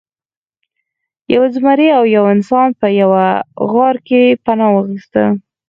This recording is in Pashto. یو زمری او یو انسان په یوه غار کې پناه واخیسته.